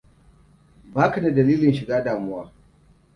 Ba ka da dalilin shiga damuwa.